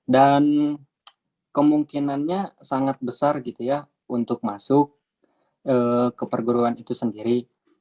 dan kemungkinannya sangat besar gitu ya untuk masuk ke perguruan itu sendiri